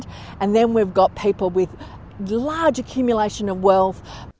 dan kita memiliki orang yang memiliki kembang yang besar